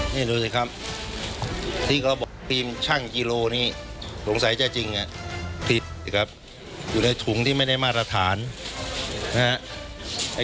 นี่ดูสิครับสิตีจะบอกรีมชั่งกิโลงนี้หลวงใส่จะจริงอ่ะผลิตสิครับอยู่ในถุงที่ไม่ได้มาตรฐานนะครับ